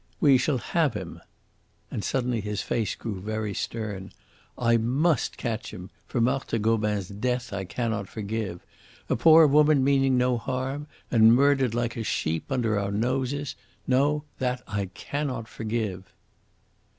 We shall have him." And suddenly his face grew very stern. "I MUST catch him, for Marthe Gobin's death I cannot forgive. A poor woman meaning no harm, and murdered like a sheep under our noses. No, that I cannot forgive."